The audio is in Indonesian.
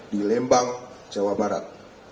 di lembang jawa barat